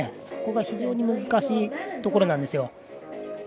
そこが非常に難しいところなんですよ。